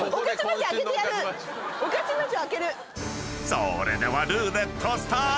［それではルーレットスタート！］